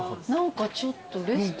ちょっとレストラン。